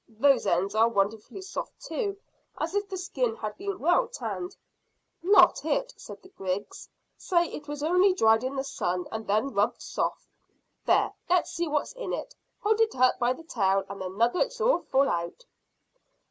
"Those ends are wonderfully soft too, as if the skin had been well tanned." "Not it," said Griggs; "say it was only dried in the sun, and then rubbed soft. There, let's see what is in it. Hold it up by the tail, and the nuggets'll all fall out."